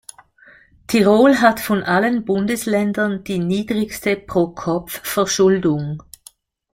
Tirol hat von allen Bundesländern die niedrigste Pro-Kopf-Verschuldung.